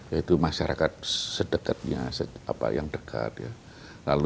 yaitu masyarakat sedekatnya yang dekat ya